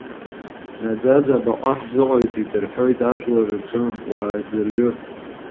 Наӡаӡа абаҟа ҳзыҟаиҵеит рҳәоит ажәлар рҿы уааӡырҩыр.